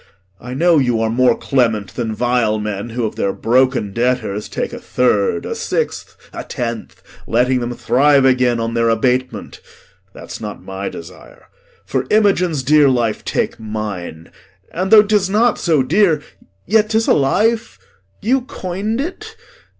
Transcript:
I know you are more clement than vile men, Who of their broken debtors take a third, A sixth, a tenth, letting them thrive again On their abatement; that's not my desire. For Imogen's dear life take mine; and though 'Tis not so dear, yet 'tis a life; you coin'd it.